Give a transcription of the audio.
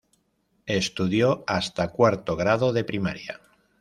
Estudió hasta cuarto grado de primaria.